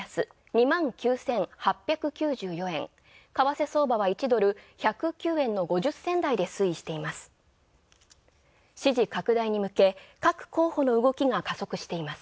２万９８９４円、為替相場は１ドル１０５円の５０銭台で推移しています。